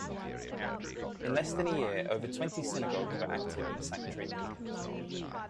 In less than a year, over twenty synagogues were active in the sanctuary movement.